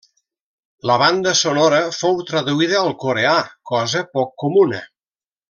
La banda sonora fou traduïda al coreà, cosa poc comuna.